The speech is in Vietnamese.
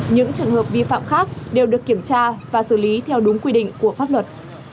những trường hợp vi phạm khác đều được kiểm tra và xử lý theo đúng quy định của pháp luật